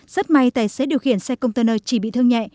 rất may tài xế điều khiển xe container chỉ bị thương nhẹ